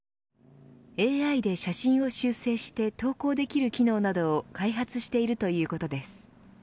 ＡＩで写真を修正して投稿できる機能などを開発しているということです。